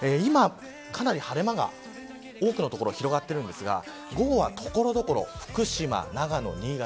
かなり晴れ間が多くの所で広がっていますが午後は所々、福島、長野、新潟